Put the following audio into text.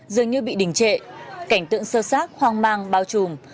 dường như bị đình trệ cảnh tượng sơ sát hoang mang bao trùm